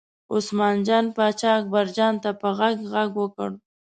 عثمان جان پاچا اکبرجان ته په غږ غږ وکړ.